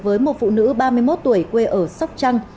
với một phụ nữ ba mươi một tuổi quê ở sóc trăng